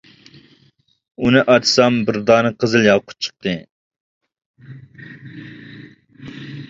ئۇنى ئاچسام، بىر دانە قىزىل ياقۇت چىقتى.